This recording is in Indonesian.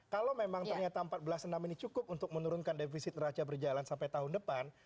kalau memang ternyata satu ratus empat puluh enam ini cukup untuk menurunkan defisit raca berjalan sampai tahun depan